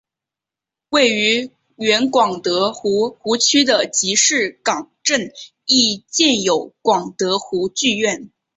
位于原广德湖湖区的集士港镇亦建有广德湖剧院。